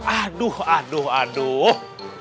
aduh aduh aduh